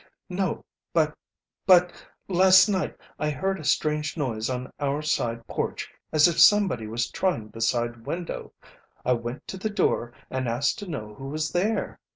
"No but but last night I heard a strange noise on our side porch, as if somebody was trying the side window. I went to the door and asked to know who was there.